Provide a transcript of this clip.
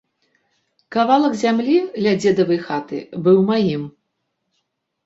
Кавалак зямлі ля дзедавай хаты быў маім.